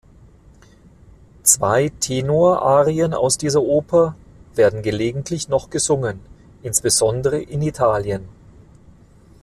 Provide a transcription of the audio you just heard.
Zwei Tenor-Arien aus dieser Oper werden gelegentlich noch gesungen, insbesondere in Italien.